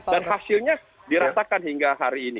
dan hasilnya diratakan hingga hari ini